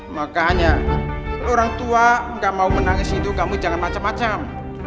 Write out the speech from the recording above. makanya orang tua nggak mau menangis itu kamu jangan macam macam